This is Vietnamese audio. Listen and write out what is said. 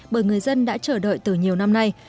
bởi người dân đã chờ đợi từ nhiều năm nay